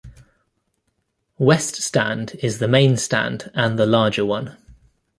West Stand is the main stand and the larger one.